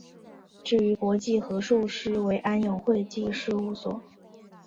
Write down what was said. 至于国际核数师为安永会计师事务所。